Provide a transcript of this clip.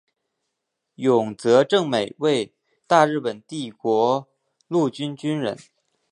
永泽正美为大日本帝国陆军军人。